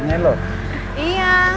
seru sih ma